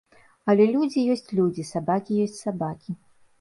Але людзі ёсць людзі, сабакі ёсць сабакі.